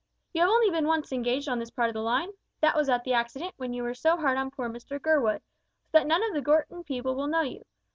You have only been once engaged on this part of the line that was at the accident when you were so hard on poor Mr Gurwood, so that none of the Gorton people will know you.